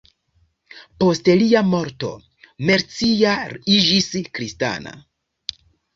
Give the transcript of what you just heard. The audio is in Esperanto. Post lia morto Mercia iĝis kristana.